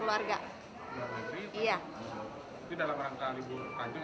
itu dalam rangka libur kanjung atau